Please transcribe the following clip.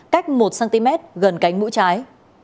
cách một cm gần cánh mũi trái